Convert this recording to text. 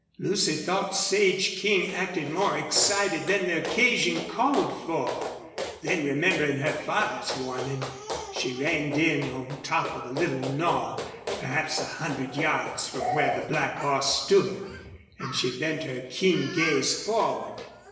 Lucy thought Sage King acted more excited than the occasion called for. Then remembering her father's warning, she reined in on top of a little knoll, perhaps a hundred yards from where the black horse stood, and she bent her keen gaze forward.